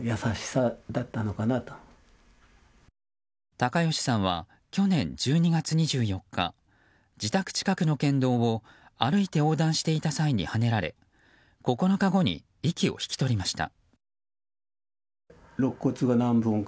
高吉さんは去年１２月２４日自宅近くの県道を歩いて横断していた際にはねられ９日後に息を引き取りました。